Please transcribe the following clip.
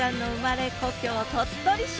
故郷鳥取市へ！